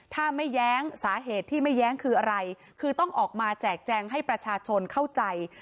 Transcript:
ถ้าไม่แย้งสาเหตุที่ไม่แย้งคืออะไรคือต้องออกมาแจกแจงให้ประชาชนเข้าใจ